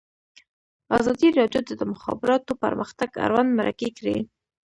ازادي راډیو د د مخابراتو پرمختګ اړوند مرکې کړي.